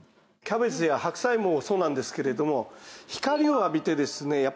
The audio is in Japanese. キャベツや白菜もそうなんですけれども光を浴びてですね